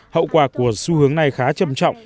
hậu quả của xu hướng này khá chầm chạy